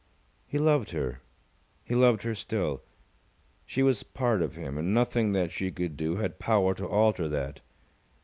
He loved her. He loved her still. She was part of him, and nothing that she could do had power to alter that.